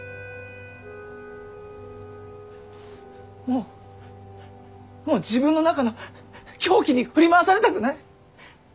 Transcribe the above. もうもう自分の中の狂気に振り回されたくない。